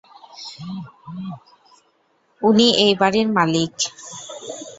উনি এই বাড়ির মালিক!